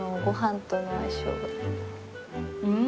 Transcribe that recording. ご飯との相性が。